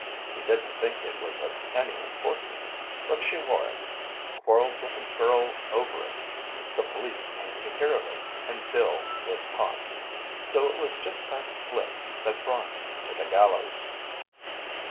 He didn't think it was of any importance, but she wore it, quarrelled with a girl over it, the police came to hear of it, and Bill was caught. So it was just that slip that brought him to the gallows."